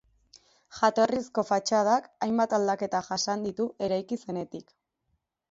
Jatorrizko fatxadak hainbat aldaketa jasan ditu eraiki zenetik.